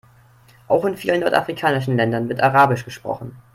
Auch in vielen nordafrikanischen Ländern wird arabisch gesprochen.